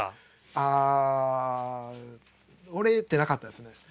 あ折れてなかったですね。